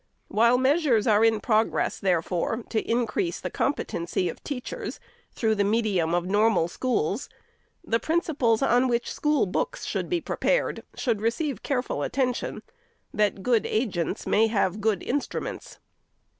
While measures are in progress, therefore, to increase the competency of teachers, through the medium of Normal Schools, the principles on which school books should be prepared should receive careful attention, that good agents may have good instruments.